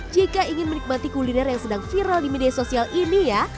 jika ingin menikmati kuliner yang sedang viral di media sosial ini ya